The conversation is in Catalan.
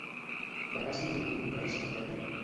Va decidir col·locar-se la bena?